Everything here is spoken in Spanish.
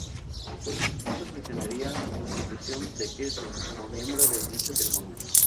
Esto ocasionaría la sustitución de Kelsen como miembro de dicho tribunal.